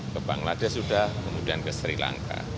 ke bangladesh sudah kemudian ke sri lanka